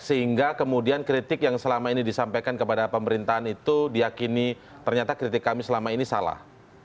sehingga kemudian kritik yang selama ini disampaikan kepada pemerintahan itu diakini ternyata kritik kami selama ini salah